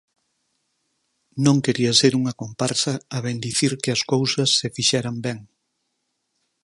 Non quería ser unha comparsa a bendicir que as cousas se fixeran ben.